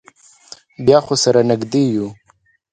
بیا خو سره نږدې یو.